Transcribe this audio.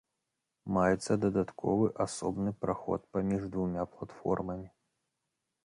Маецца дадатковы асобны праход паміж двума платформамі.